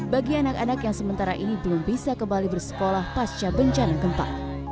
bagi anak anak yang sementara ini belum bisa kembali bersekolah pasca bencana gempa